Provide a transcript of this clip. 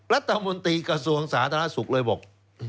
รัฐมนตรีกระทรวงสาธารณสุขเลยบอก